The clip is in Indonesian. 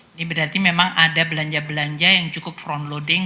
ini berarti memang ada belanja belanja yang cukup front loading